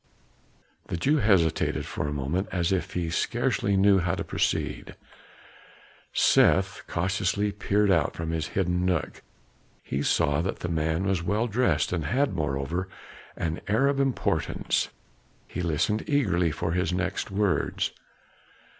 The Jew hesitated for a moment as if he scarcely knew how to proceed. Seth cautiously peered out from his hidden nook; he saw that the man was well dressed and had, moreover, an air of importance. He listened eagerly for his next words.